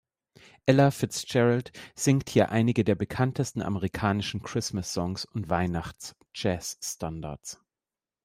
Ella Fitzgerald singt hier einige der bekanntesten amerikanischen Christmas-Songs und Weihnachts-Jazzstandards.